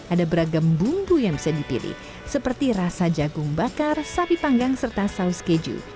ada beragam bumbu yang bisa dipilih seperti rasa jagung bakar sapi panggang serta saus keju